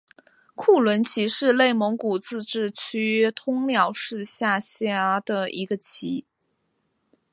库伦旗是内蒙古自治区通辽市下辖的一个旗。